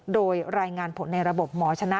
โดยรายงานผลในระบบหมอชนะ